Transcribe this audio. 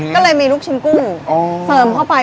ก็เลยมีลูกชิ้นกุ้งเติมเข้าไป